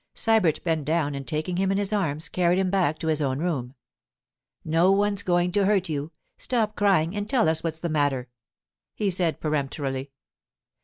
Sybert bent down, and taking him in his arms, carried him back to his own room. 'No one's going to hurt you. Stop crying and tell us what's the matter,' he said peremptorily.